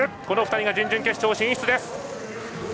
この２人が準々決勝進出です。